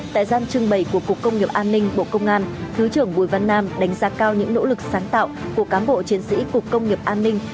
tại gian trưng bày của cục công nghiệp an ninh bộ công an thứ trưởng bùi văn nam đánh giá cao những nỗ lực sáng tạo của cán bộ chiến sĩ cục công nghiệp an ninh